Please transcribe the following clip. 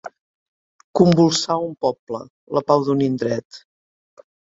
Convulsar un poble, la pau d'un indret.